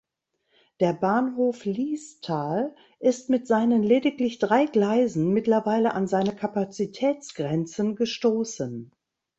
Der Bahnhof Liestal ist mit seinen lediglich drei Gleisen mittlerweile an seine Kapazitätsgrenzen gestossen.